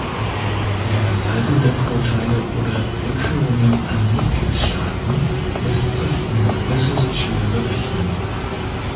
Der Saldo der Vorteile oder Rückführungen an Mitgliedstaaten lässt sich nur äußerst schwer berechnen.